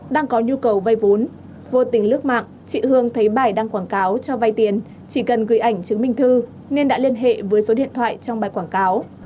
đang có nhu cầu vay vốn vô tình lướt mạng chị hương thấy bài đăng quảng cáo cho vay tiền chỉ cần gửi ảnh chứng minh thư nên đã liên hệ với số điện thoại trong bài quảng cáo